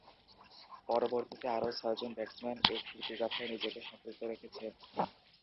পরবর্তীতে আরও ছয়জন ব্যাটসম্যান এ কীর্তিগাঁথায় নিজেকে সম্পৃক্ত রেখেছেন।